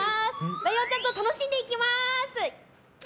ライオンちゃんと楽しんでいきます！